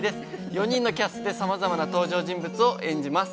４人のキャストでさまざまな登場人物を演じています。